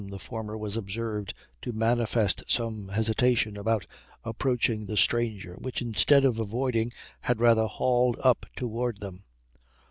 the former was observed to manifest some hesitation about approaching the stranger, which instead of avoiding had rather hauled up toward them.